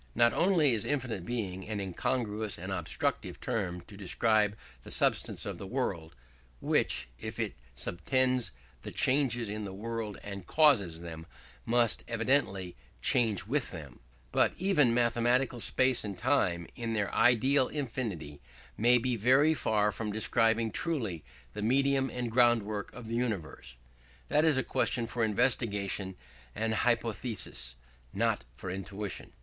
Not only is infinite Being an incongruous and obstructive term to describe the substance of the world (which, if it subtends the changes in the world and causes them, must evidently change with them), but even mathematical space and time, in their ideal infinity, may be very far from describing truly the medium and groundwork of the universe. That is a question for investigation and hypothesis, not for intuition.